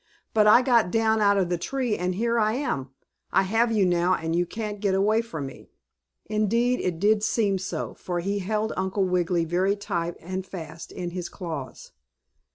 "But I got down out of the tree, and here I am. I have you now and you can't get away from me!" Indeed it did seem so, for he held Uncle Wiggily very tight and fast in his claws.